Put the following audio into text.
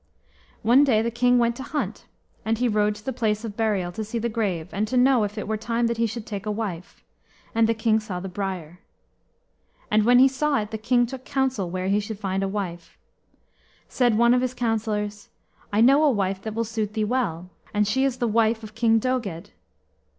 One day the king went to hunt; and he rode to the place of burial, to see the grave, and to know if it were time that he should take a wife: and the King saw the briar. And when he saw it, the king took counsel where he should find a wife. Said one of his counsellors, "I know a wife that will suit thee well; and she is the wife of King Doged."